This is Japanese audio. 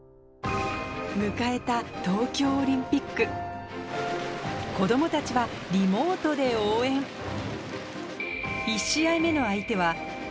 迎えた東京オリンピック子供たちはリモートで応援アレ。